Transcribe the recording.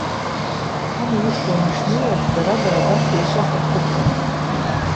Амҩа иқәланы ишнеиуаз дара-дара абас иеиҿахәыҭхәыҭуан.